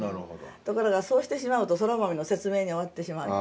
ところがそうしてしまうとそら豆の説明に終わってしまう。